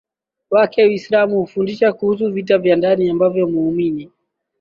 wake Uislamu hufundisha kuhusu vita vya ndani ambavyo muumini